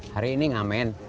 hari ini ngamen